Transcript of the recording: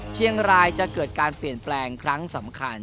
เชียงรายจะเกิดการเปลี่ยนแปลงครั้งสำคัญ